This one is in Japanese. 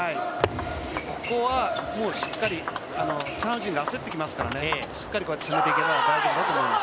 ここはもう、チャン・ウジンも焦ってきますから、しっかりこうやって攻めていけば大丈夫だと思います。